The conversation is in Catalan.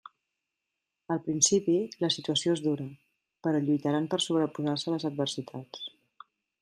Al principi, la situació és dura, però lluitaran per sobreposar-se a les adversitats.